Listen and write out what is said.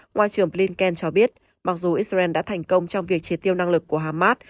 ngoại trưởng blinken cho biết mặc dù israel đã thành công trong việc triệt tiêu năng lực của hamas